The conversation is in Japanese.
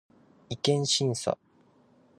違憲審査